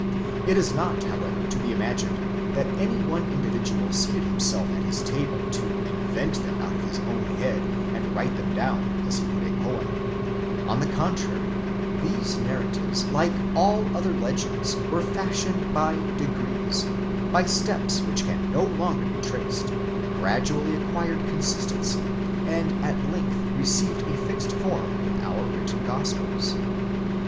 It is not however to be imagined that any one individual seated himself at his table to invent them out of his own head, and write them down, as he would a poem: on the contrary, these narratives like all other legends were fashioned by degrees, by steps which can no longer be traced ; gradually acquired consistency, and at length received a fixed form in our written Gospels.